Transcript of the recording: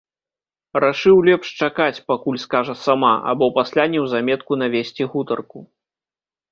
Рашыў лепш чакаць, пакуль скажа сама, або пасля неўзаметку навесці гутарку.